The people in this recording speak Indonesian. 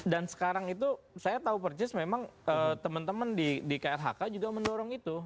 dan sekarang itu saya tahu percis memang teman teman di klhk juga mendorong itu